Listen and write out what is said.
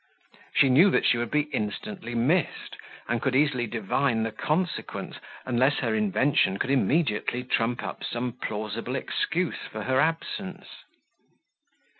She knew that she would be instantly missed, and could easily divine the consequence, unless her invention could immediately trump up some plausible excuse for her absence.